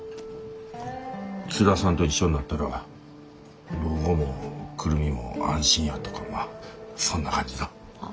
津田さんと一緒になったら老後も久留美も安心やとかまあそんな感じの。は？